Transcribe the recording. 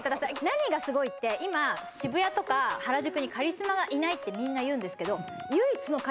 何がすごいって今渋谷とか原宿にカリスマがいないってみんな言うんですけどえ